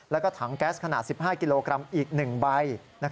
แล้วก็ถังแก๊สขนาด๑๕กิโลกรัมอีก๑ใบ